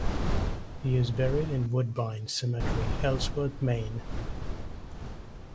He is buried in Woodbine Cemetery, Ellsworth, Maine.